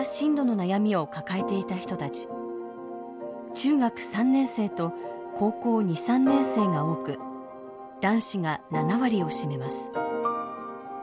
中学３年生と高校２３年生が多く男子が７割を占めます。